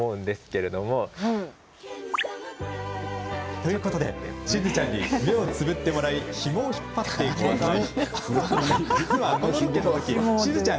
ということで、しずちゃんに目をつぶってもらいひもを引っ張って、ご案内。